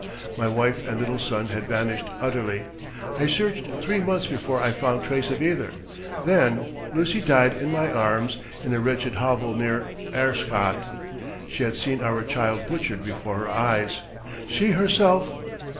My wife and little son had vanished utterly. I searched three months before I found trace of either. Then ... Lucy died in my arms in a wretched hovel near Aerschot. She had seen our child butchered before her eyes. She herself...."